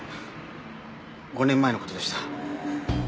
５年前の事でした。